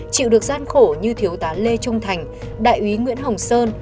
chịu được gian khổ như thiếu tá lê trung thành đại úy nguyễn hồng sơn